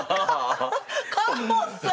カホさん！